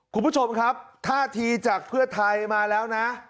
คุณผู้ชมครับท่าทีจากเพื่อไทยมาแล้วนะ